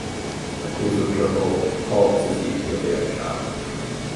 不久之后 ,Paul 自己就被暗杀了。